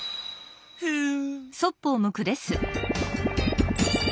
ふん！